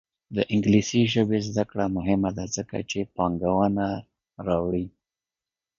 د انګلیسي ژبې زده کړه مهمه ده ځکه چې پانګونه راوړي.